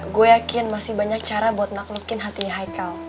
gue yakin masih banyak cara buat naklukin hatinya haikal